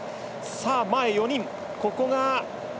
前４人。